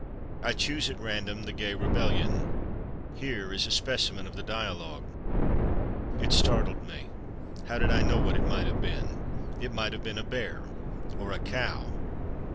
I choose, at random, "The Gay Rebellion." Here is a specimen of the dialogue: "It startled me. How did I know what it might have been? It might have been a bear—or a cow."